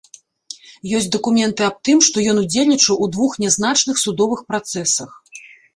Ёсць дакументы аб тым, што ён удзельнічаў у двух нязначных судовых працэсах.